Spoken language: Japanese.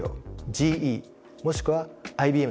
ＧＥもしくはＩＢＭ